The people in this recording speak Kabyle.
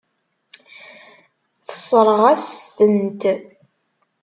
Tessṛeɣ-asen-tent.